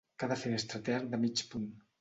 Cada finestra té arc de mig punt.